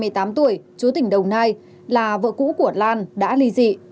hai mươi tám tuổi chúa tỉnh đồng nai là vợ cũ của lan đã ly dị